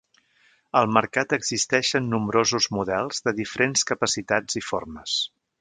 Al mercat existeixen nombrosos models de diferents capacitats i formes.